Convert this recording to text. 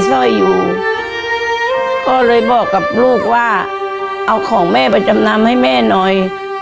สร้อยอยู่ก็เลยบอกกับลูกว่าเอาของแม่ไปจำนำให้แม่หน่อย